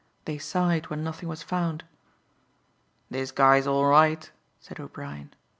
They sighed when nothing was found. "This guy is all right," said O'Brien.